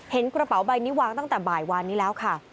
กระเป๋าใบนี้วางตั้งแต่บ่ายวานนี้แล้วค่ะ